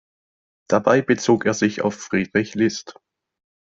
Dabei bezog er sich auf Friedrich List.